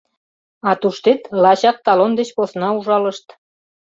А туштет лачак талон деч посна ужалышт.